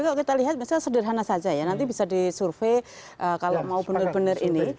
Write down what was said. kalau kita lihat misalnya sederhana saja ya nanti bisa disurvey kalau mau benar benar ini